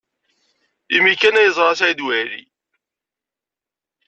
Imi-a kan ay yeẓra Saɛid Waɛli.